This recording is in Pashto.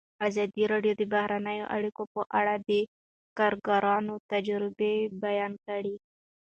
ازادي راډیو د بهرنۍ اړیکې په اړه د کارګرانو تجربې بیان کړي.